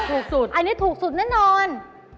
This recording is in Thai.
ถูกสุดอันนี้ถูกสุดแน่นอน